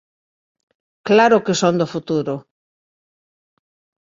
Claro que son do futuro!